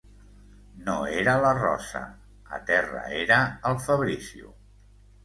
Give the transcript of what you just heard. No era la rosa... a terra era el Fabrizio.